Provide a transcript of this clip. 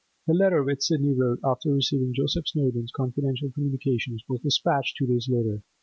The letter which Sidney wrote after receiving Joseph Snowdon's confidential communications was despatched two days later.